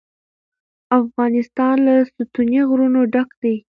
افغانستان له ستوني غرونه ډک دی.